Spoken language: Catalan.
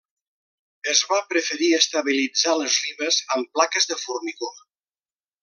Es va preferir estabilitzar les ribes amb plaques de formigó.